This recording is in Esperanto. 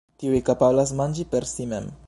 Tiuj kapablas manĝi per si mem.